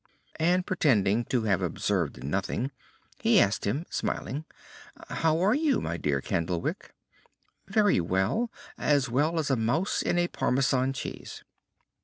And, pretending to have observed nothing, he asked him, smiling: "How are you, my dear Candlewick?" "Very well; as well as a mouse in a Parmesan cheese."